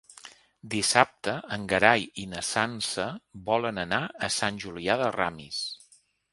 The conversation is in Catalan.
Dissabte en Gerai i na Sança volen anar a Sant Julià de Ramis.